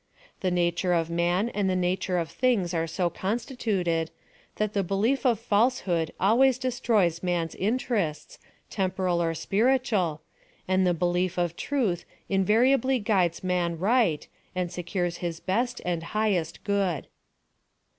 The nature of man and the nature of things are so constituted, that the belio^ of falsehood always destroys man's 150 PHILOSOPHY OF THE interests, temporal or spiritual, and the belief of truth ni variably guides man right, and secures his best and highest good.